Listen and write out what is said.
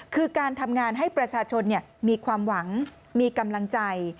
คือการทำงานให้ประชาชนมีความหวังมีกำลังใจ